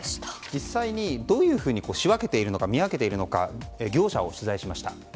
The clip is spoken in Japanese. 実際にどういうふうに仕分けているのか見分けているのか業者を取材しました。